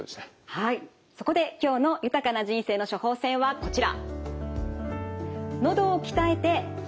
はいそこで今日の「豊かな人生の処方せん」はこちら。